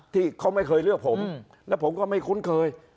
ที่เขาไม่เคยเลือกผมแล้วผมก็ไม่คุ้นเคย